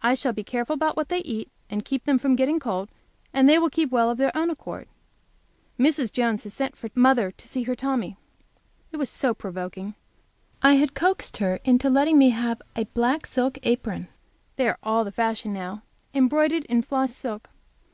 I shall be careful about what they eat, and keep them from getting cold, and they will keep well of their own accord. Mrs. Jones has just sent for mother to see her Tommy. It was so provoking. I had coaxed her into letting me have a black silk apron; they are all the fashion now, embroidered in floss silk.